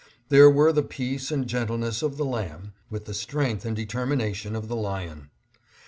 There were the peace and gentleness of the lamb, with the strength and determination of the lion.